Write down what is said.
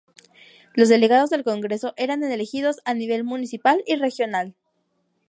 Los delegados del Congreso eran elegidos a nivel municipal y regional.